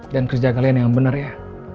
dan kerja kalian yang benar ya